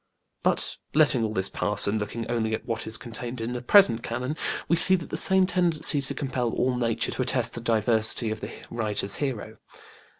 But letting all this pass and looking only to what is contained in the present Canon, we see the same tendency to compel all nature to attest the divinity of the writer's hero.